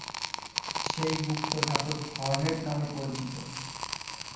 সেই গুপ্তঘাতক হরনেট নামে পরিচিত।